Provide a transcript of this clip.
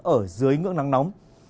ở dưới ngưỡng nắng nóng